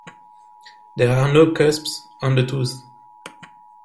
There are no cusps on the tooth.